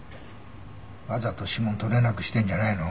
わざと指紋採れなくしてるんじゃないの？